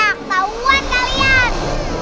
iya ketauan kalian